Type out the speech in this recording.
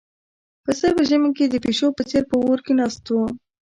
پسه په ژمي کې د پيشو په څېر په اور کې ناست و.